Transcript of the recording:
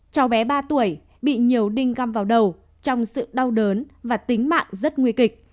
cháu bé ba tuổi bị nhiều đinh găm vào đầu trong sự đau đớn và tính mạng rất nguy kịch